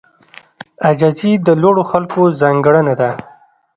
عاجزي د لوړو خلکو ځانګړنه ده.